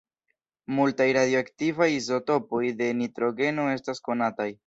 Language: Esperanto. Multaj radioaktivaj izotopoj de nitrogeno estas konataj.